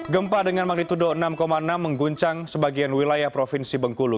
gempa dengan magnitudo enam enam mengguncang sebagian wilayah provinsi bengkulu